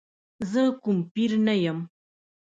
زه کوم پیر نه یم.